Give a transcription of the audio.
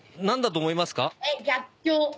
何だと思いますか？